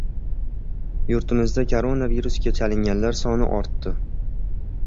Yurtimizda koronaviirusga chalinganlar soni ortdi